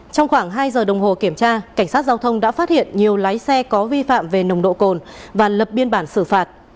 trong khoảng hai giờ đồng hồ kiểm tra cảnh sát giao thông đã phát hiện nhiều lái xe có vi phạm về nồng độ cồn và lập biên bản xử phạt